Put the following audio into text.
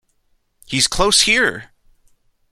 He's close here!